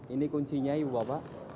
ini kuncinya ibu bapak